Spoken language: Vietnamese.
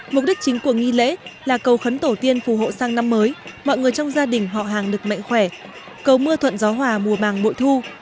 mục đích chính của nghi lễ là cầu khấn tổ tiên phù hộ sang năm mới mọi người trong gia đình họ hàng được mệnh khỏe cầu mưa thuận gió hòa mùa màng mội thu